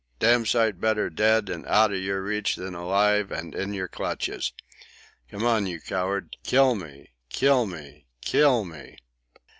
Damn sight better dead and outa your reach than alive and in your clutches! Come on, you coward! Kill me! Kill me! Kill me!"